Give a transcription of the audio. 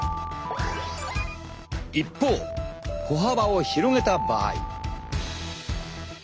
一方歩幅を広げた場合。